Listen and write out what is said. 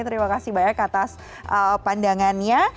terima kasih banyak atas pandangannya